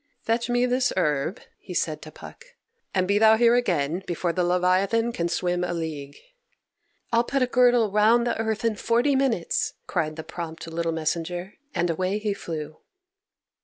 "Fetch me this herb," he said to Puck, "and be thou here again before the leviathan can swim a league." "I'll put a girdle round about the earth in forty minutes," cried the prompt little messenger, and away he flew.